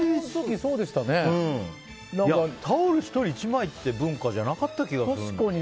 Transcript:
タオル１人１枚って文化じゃなかった気がするけど。